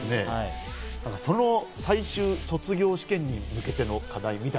その最終卒業試験に向けての課題みたい。